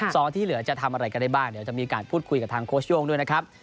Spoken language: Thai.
ซ้อนที่เหลือจะทำอะไรกันได้บ้างเดี๋ยวจะมีการพูดคุยกับทางโค้ชโย่งด้วยนะครับ